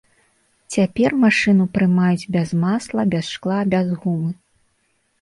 Цяпер машыну прымаюць без масла, без шкла, без гумы.